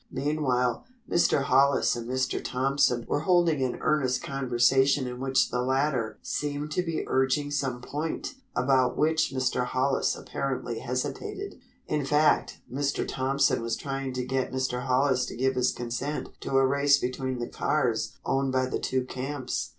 Meanwhile, Mr. Hollis and Mr. Thompson were holding an earnest conversation in which the latter seemed to be urging some point about which Mr. Hollis apparently hesitated. In fact, Mr. Thompson was trying to get Mr. Hollis to give his consent to a race between the cars owned by the two camps.